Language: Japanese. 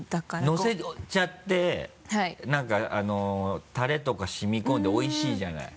のせちゃってなんかあのタレとか染みこんでおいしいじゃない。